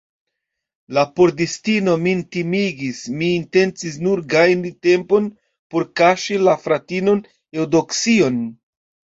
La pordistino min timigis, mi intencis nur gajni tempon, por kaŝi la fratinon Eŭdoksion.